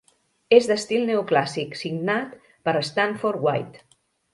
És d'estil neoclàssic signat per Stanford White.